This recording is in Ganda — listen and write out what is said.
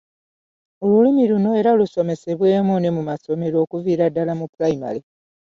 Olulimi luno era lusomesebwemu ne mu masomero okuviira ddala mu pulayimale.